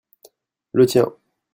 le tien.